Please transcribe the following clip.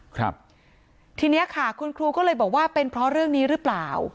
ครับทีเนี้ยค่ะคุณครูก็เลยบอกว่าเป็นเพราะเรื่องนี้หรือเปล่า